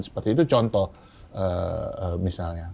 seperti itu contoh misalnya